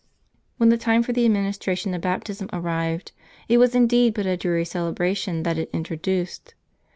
When the time for the administration of baptism arrived, it was indeed but a dreary celebration that it introduced.